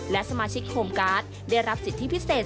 และสมาชิกโฮมการ์ดได้รับสิทธิพิเศษ